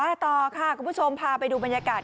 ต่อค่ะคุณผู้ชมพาไปดูบรรยากาศ